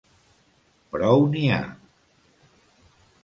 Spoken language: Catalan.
Prou n'hi ha!